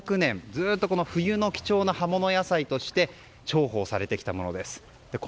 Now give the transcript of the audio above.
ずっと冬の貴重な葉物野菜として重宝されてきたものです。